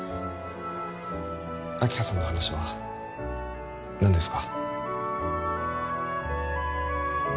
明葉さんの話は何ですか？